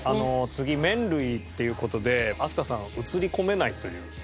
次麺類っていう事で飛鳥さん映り込めないという事なんで。